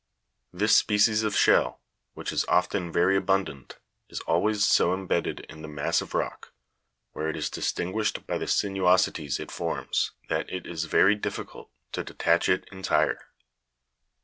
This species of shell, which is often very abundant, is always so imbedded in the mass of rock, where it is dis tinguished by the sinuosities Fi S H7 Cha'ma ammo'nia. it forms, that it is very difficult to detach it entire.